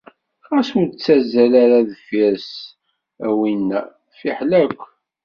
Ɣas ur ttazzal ara deffir-s a winna! Fiḥel akk.